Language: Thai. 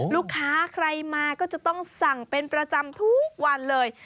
ลูกค้าใครมาก็จะต้องสั่งเป็นประจำทุกวันเลย